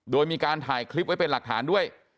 โดยมีการถ่ายคลิปไว้เป็นหลักฐานด้วย